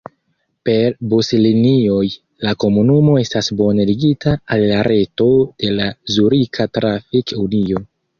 Per buslinioj la komunumo estas bone ligita al la reto de la Zurika Trafik-Unio.